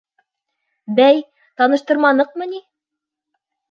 Бәй, таныштырманыҡмы ни?